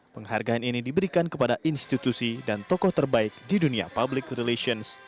penghargaan ini diberikan kepada institusi dan tokoh terbaik di dunia public relations